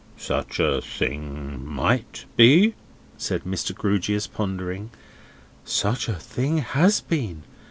"Such a thing might be," said Mr. Grewgious, pondering. "Such a thing has been.